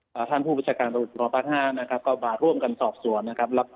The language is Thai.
ส่วนที่ก็มาร่วมสวน